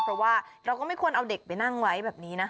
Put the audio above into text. เพราะว่าเราก็ไม่ควรเอาเด็กไปนั่งไว้แบบนี้นะ